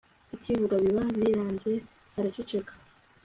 akivuga biba biranze araceceka